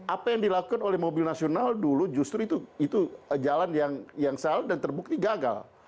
apa yang dilakukan oleh mobil nasional dulu justru itu jalan yang salah dan terbukti gagal